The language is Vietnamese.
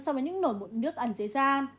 so với những nổi mụn nước ẩn dưới da